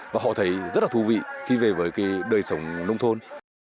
và họ thấy rất là thú vị khi về với cái đời sống nông thôn